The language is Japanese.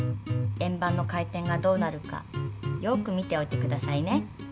円ばんの回転がどうなるかよく見ておいてくださいね。